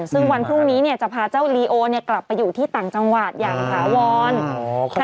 ซึ่งวันพรุ่งนี้จะพาเจ้าลีโอกลับไปอยู่ที่ต่างจังหวัดอย่างถาวร